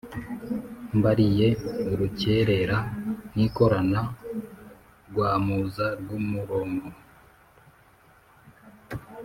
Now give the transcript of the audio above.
Mbariye urukerera nikorana Rwamuza rw’umuronko,